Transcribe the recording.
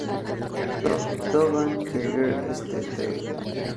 Donovan, Gerli Este, Tel.